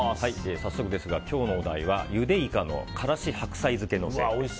早速ですが今日のお題はゆでイカの辛子白菜漬けのせです。